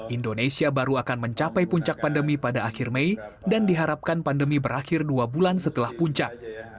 indonesia baru akan mencapai puncak pandemi pada akhir mei dan diharapkan pandemi berakhir dua bulan setelah puncak